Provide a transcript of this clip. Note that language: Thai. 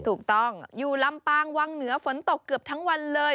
ถูกต้องอยู่ลำปางวังเหนือฝนตกเกือบทั้งวันเลย